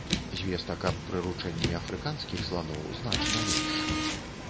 Звестак аб прыручэнні афрыканскіх сланоў значна менш.